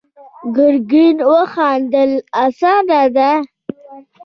ګرګين وخندل: اسانه ده.